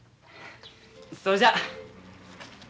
それじゃ。